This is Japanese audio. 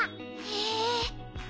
へえ。